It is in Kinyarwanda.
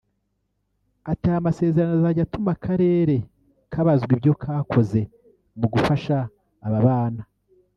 Ati “Aya masezerano azajya atuma akarere kabazwa ibyo kakoze mu gufasha aba bana